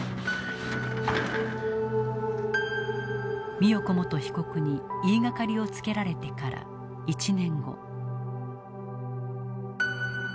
美代子元被告に言いがかりをつけられてから１年後。